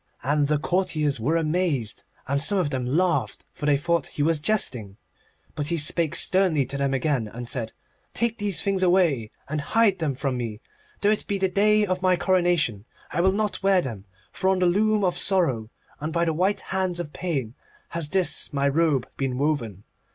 And the courtiers were amazed, and some of them laughed, for they thought that he was jesting. But he spake sternly to them again, and said: 'Take these things away, and hide them from me. Though it be the day of my coronation, I will not wear them. For on the loom of Sorrow, and by the white hands of Pain, has this my robe been woven.